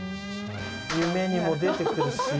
夢にも出てくるし。